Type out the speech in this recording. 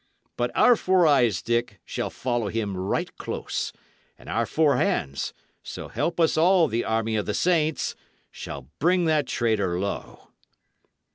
But our four eyes, Dick, shall follow him right close, and our four hands so help us all the army of the saints! shall bring that traitor low!"